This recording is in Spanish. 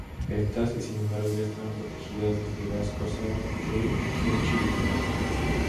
Estas, sin embargo, ya estaban protegidas de este gas, cosa que Churchill ignoraba.